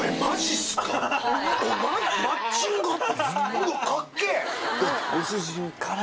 うわかっけぇ！